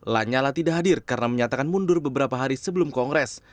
lanyala tidak hadir karena menyatakan mundur beberapa hari sebelum kongres